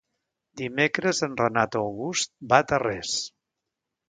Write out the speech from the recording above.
Dimecres en Renat August va a Tarrés.